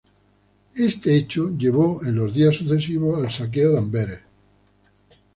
Este hecho llevó en los días sucesivos al saqueo de Amberes.